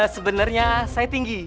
sebenarnya saya tinggi